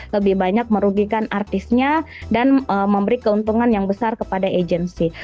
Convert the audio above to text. lebih banyak merugikan artisnya dan memberi keuntungan yang besar kepada agency